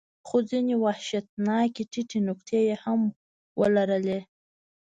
خو ځینې وحشتناکې ټیټې نقطې یې هم ولرلې.